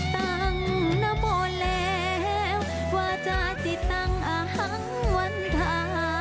ตังน้ำหมดแล้วว่าจะจิตตังอฮังวันภา